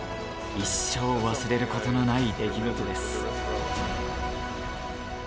一生忘れることのない出来事です。